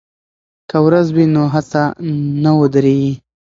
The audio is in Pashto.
که ورځ وي نو هڅه نه ودریږي.